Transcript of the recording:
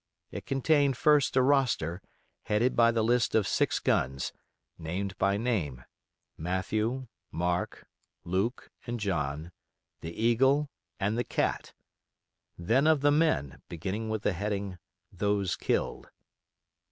It contained first a roster, headed by the list of six guns, named by name: "Matthew", "Mark", "Luke", and "John", "The Eagle", and "The Cat"; then of the men, beginning with the heading: "Those killed".